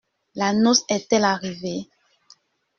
La noce est-elle arrivée ?